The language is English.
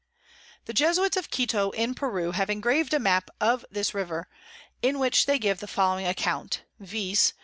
The Jesuits of Quito in Peru have engrav'd a Map of this River, in which they give the following Account, _viz.